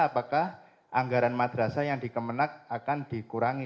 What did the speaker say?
apakah anggaran madrasah yang dikemenang akan dikurangi